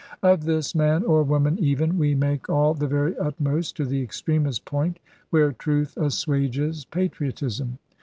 Of this man, or woman even, we make all the very utmost, to the extremest point where truth assuages patriotism.